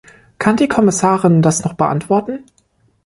Kann die Kommissarin das noch beantworten?